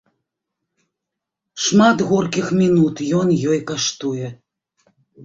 Шмат горкіх мінут ён ёй каштуе.